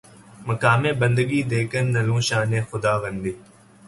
مقام بندگی دے کر نہ لوں شان خداوندی